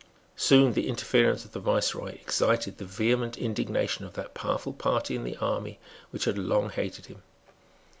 Soon the interference of the Viceroy excited the vehement indignation of that powerful party in the army which had long hated him.